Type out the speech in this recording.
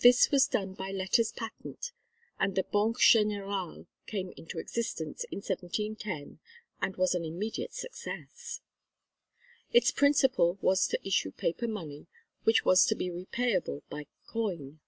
This was done by Letters Patent and the Banque Générale came into existence in 1710, and was an immediate success. Its principle was to issue paper money which was to be repayable by coin.